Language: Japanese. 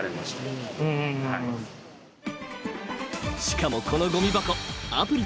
［しかもこのごみ箱］